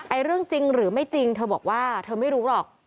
เรื่องจริงหรือไม่จริงเธอบอกว่าเธอไม่รู้หรอก